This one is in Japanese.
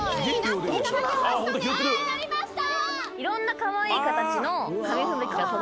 なりました！